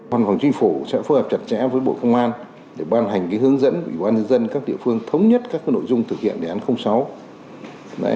văn phòng chính phủ sẽ phối hợp chặt chẽ với bộ công an để ban hành hướng dẫn của bộ công an các địa phương thống nhất các nội dung thực hiện đề án sáu